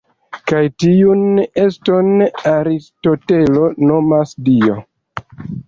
Kaj tiun eston Aristotelo nomas Dio.